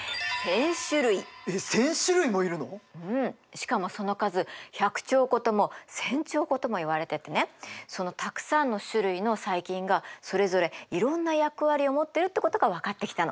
しかもその数１００兆個とも１，０００兆個ともいわれててねそのたくさんの種類の細菌がそれぞれいろんな役割を持ってるってことが分かってきたの。